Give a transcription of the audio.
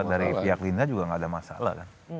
dari pihak linda juga tidak ada masalah